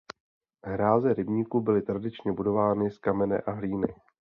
Hráze rybníků byly tradičně budovány z kamene a hlíny.